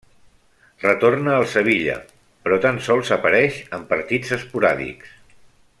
Retorna al Sevilla, però tan sols apareix en partits esporàdics.